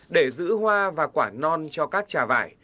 để giữ hoa và quả non cho các trà vải